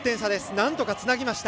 なんとかつなぎました。